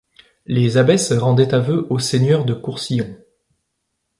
Les abbesses rendaient aveux aux seigneurs de Courcillon.